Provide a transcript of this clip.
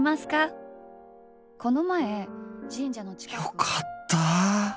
よかったァ。